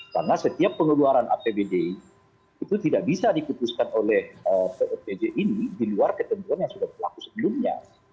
karena setiap pengeluaran apbd itu tidak bisa dikutuskan oleh pj ini di luar ketentuan yang sudah berlaku sebelumnya